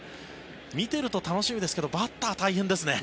見てると楽しみですけどバッターは大変ですね。